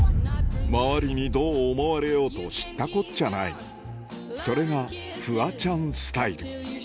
周りにどう思われようと知ったこっちゃないそれがフワちゃんスタイル